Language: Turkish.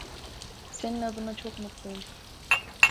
Senin adına çok mutluyum.